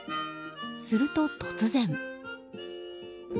すると、突然。